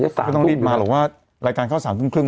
ไม่ต้องรีบมาหรอกว่ารายการเข้า๓ทุ่มครึ่ง